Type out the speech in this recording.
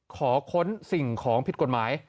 ค้นสิ่งของผิดกฎหมาย